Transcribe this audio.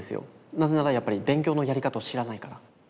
なぜならやっぱり勉強のやり方を知らないから。